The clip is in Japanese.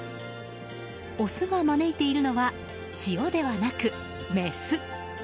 オスが招いているのは潮ではなくメス。